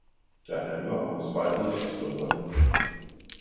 der handler om spejlet og stumperne.